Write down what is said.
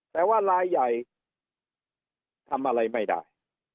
แต่ว่าลายใหญ่ทำอะไรไม่ได้